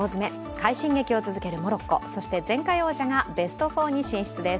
快進撃を続けるモロッコ、そして前回王者がベスト４に進出です。